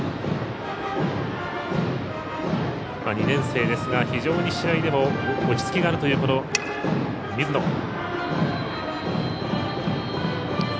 ２年生ですが非常に試合でも落ち着きがあるという水野。